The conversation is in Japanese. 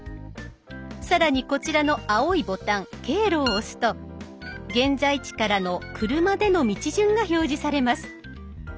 更にこちらの青いボタン「経路」を押すと現在地からの車での道順が表示されます。